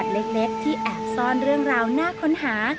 เล็กที่แอบซ่อนเรื่องราวน่าค้นหา